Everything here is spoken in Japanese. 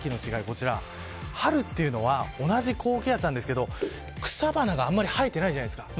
春というのは同じ高気圧なんですけど草花があんまり生えていないじゃないですか。